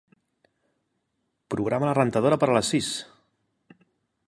Programa la rentadora per a les sis.